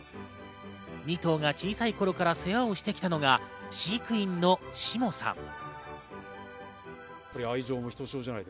２頭が小さい頃から世話をしてきたのが、飼育員の下さん。